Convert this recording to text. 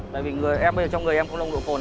bởi vì em bây giờ trong người em không nông độ phồn